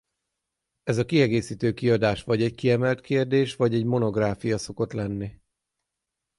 Ez a kiegészítő kiadás vagy egy kiemelt kérdés vagy egy monográfia szokott lenni.